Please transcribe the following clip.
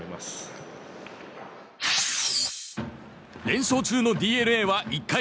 連勝中のＤｅＮＡは１回。